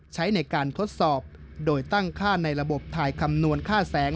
ใช้ในการทดสอบโดยตั้งค่าในระบบถ่ายคำนวณค่าแสง